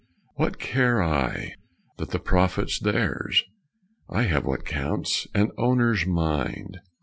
What care I that the profit's theirs? I have what counts an owner's mind.